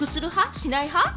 しない派？